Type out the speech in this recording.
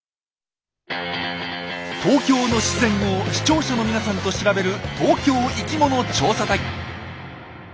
東京の自然を視聴者の皆さんと調べる東京生きもの調査隊。